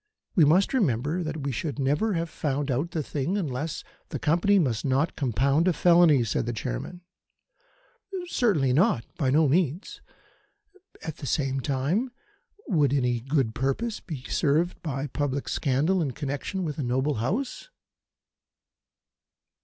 We must remember that we should never have found out the thing unless " "The Company must not compound a felony," said the Chairman. "Certainly not. By no means. At the same time, would any good purpose be served by public scandal in connection with a noble House?"